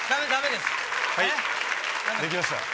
できました。